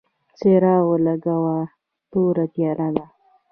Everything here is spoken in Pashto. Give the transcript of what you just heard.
څراغ ولګوه ، توره تیاره ده !